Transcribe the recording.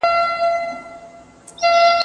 د چا ميراث نه ورکول حرام عمل دی.